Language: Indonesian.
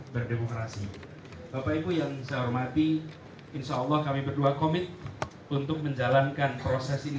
berdemokrasi bapak ibu yang saya hormati insya allah kami berdua komit untuk menjalankan proses ini